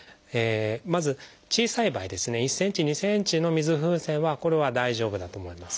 まず小さい場合ですね１ｃｍ２ｃｍの水風船はこれは大丈夫だと思います。